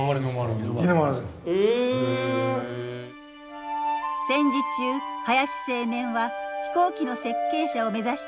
戦時中林青年は飛行機の設計者を目指していました。